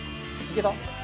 いけた。